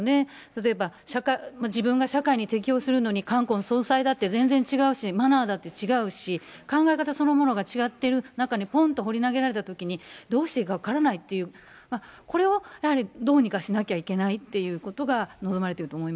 例えば、自分が社会に適応するのに冠婚葬祭だって全然違うし、マナーだって違うし、考え方そのものが違ってる中に、ぽんと放り投げられたときに、どうしていいか分からないという、これをやはりどうにかしなきゃいけないってことが望まれてると思